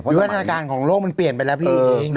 หรือว่าหน้าการของโลกมันเปลี่ยนไปแล้วพี่เออ